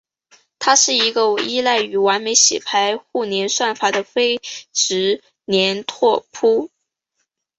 它是一个依赖于完美洗牌互联算法的非直连拓扑。